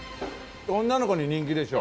女の子に人気でしょ？